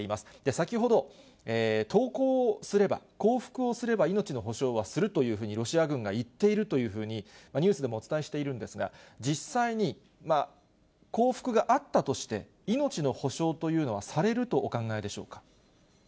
先ほど投降すれば、降伏をすれば命の保証はするというふうに、ロシア軍が言っているというふうに、ニュースでもお伝えしているんですが、実際に降伏があったとして、命の保証というのはされるとお考えでしょうか。